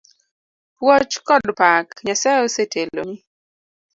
Puoch kod pak, Nyasaye oseteloni.